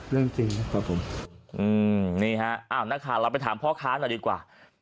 เรื่องจริงครับผมนี่ครับนักข่าวเราไปถามพ่อค้าหน่อยดีกว่า